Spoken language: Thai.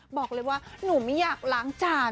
บอกเลยว่าหนูไม่อยากล้างจาน